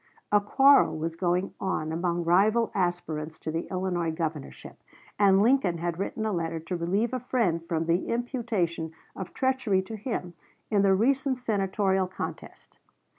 A quarrel was going on among rival aspirants to the Illinois governorship, and Lincoln had written a letter to relieve a friend from the imputation of treachery to him in the recent Senatorial contest.